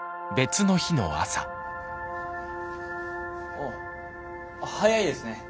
あっ早いですね。